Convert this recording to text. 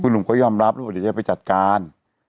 หนุ่มก็ยอมรับว่าเดี๋ยวจะไปจัดการ